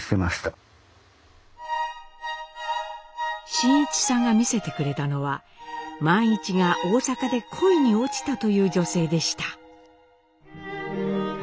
伸一さんが見せてくれたのは萬一が大阪で恋に落ちたという女性でした。